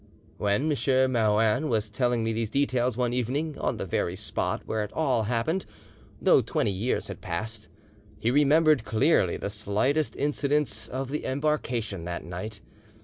When M. Marouin was telling me these details one evening on the very spot where it all happened, though twenty years had passed, he remembered clearly the slightest incidents of the embarkation that night.